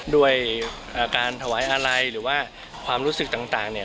ด้วยการถวายอะไรหรือว่าความรู้สึกต่างเนี่ย